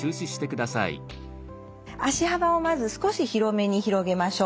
足幅をまず少し広めに広げましょう。